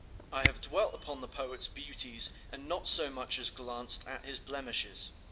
I have dwelt upon the poet's beauties and not so much as glanced at his blemishes.